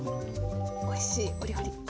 おいしいお料理